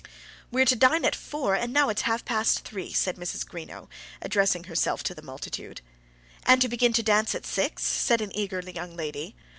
"We're to dine at four, and now it's half past three," said Mrs. Greenow, addressing herself to the multitude. "And to begin to dance at six," said an eager young lady.